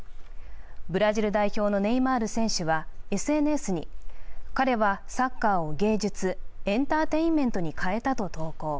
ブラジル代表のネイマール選手はＳＮＳに彼はサッカーを芸術、エンターテインメントに変えたと投稿。